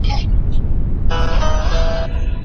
که ميرمن د خاوند خبره ونه مني څه ګناه لري؟